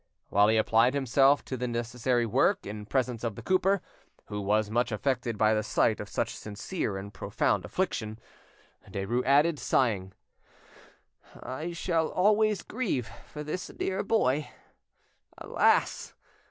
While he applied himself to the necessary work in presence of the cooper, who was much affected by the sight of such sincere and profound affliction, Derues added, sighing— "I shall always grieve for this dear boy. Alas!